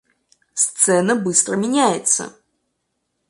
Сцена быстро меняется.